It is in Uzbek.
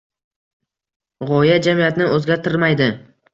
G‘oya jamiyatni o‘zgartirmaydi.